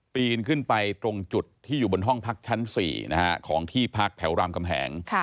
ปีนขึ้นไปตรงจุดที่อยู่บนห้องพักชั้น๔ของที่พักแถวรามกำแหง